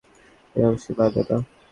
আমি অবশ্যই যাব, দাদা।